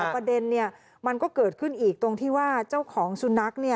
ประเด็นมันก็เกิดขึ้นอีกตรงที่ว่าเจ้าของสุนัข